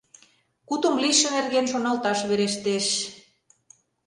Кутым лийше нерген шоналташ верештеш...